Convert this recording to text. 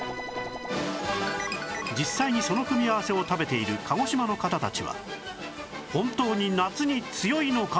実際にその組み合わせを食べている鹿児島の方たちは本当に夏に強いのか？